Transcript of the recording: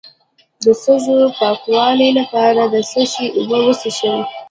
د سږو د پاکوالي لپاره د څه شي اوبه وڅښم؟